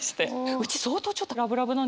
うち相当ちょっとラブラブなんですよ。